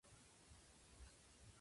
財産および損益の状況